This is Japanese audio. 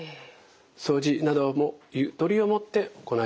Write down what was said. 掃除などもゆとりを持って行いましょう。